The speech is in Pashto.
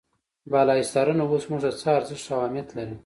بالا حصارونه اوس موږ ته څه ارزښت او اهمیت لري.